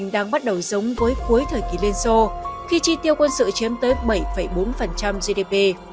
đầu giống với cuối thời kỳ lenso khi chi tiêu quân sự chiếm tới bảy bốn gdp